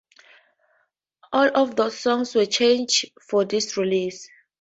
All of those songs were changed for this release.